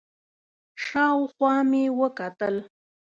شاوخوا مې وکتل،